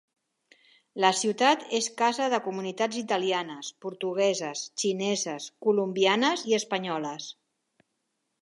La ciutat és casa de comunitats italianes, portugueses, xineses, colombianes i espanyoles.